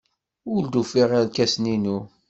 Ur d-ufiɣ irkasen-inu.